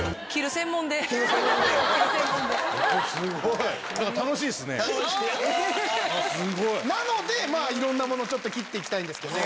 これすごい！なのでいろんなもの切っていきたいんですけど。